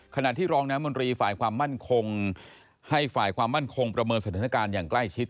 ขณะที่รองน้ำมนตรีฝ่ายความมั่นคงให้ฝ่ายความมั่นคงประเมินสถานการณ์อย่างใกล้ชิด